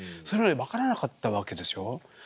それまで分からなかったわけでしょ。